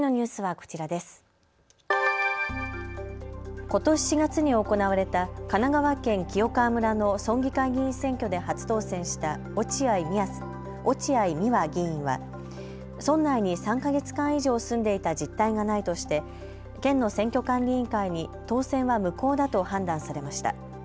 ことし４月に行われた神奈川県清川村の村議会議員選挙で初当選した落合美和議員は村内に３か月間以上住んでいた実態がないとして県の選挙管理委員会に当選は無効だと判断されました。